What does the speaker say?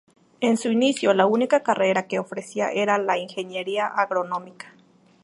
En su inicio, la única carrera que ofrecía era la de Ingeniería Agronómica.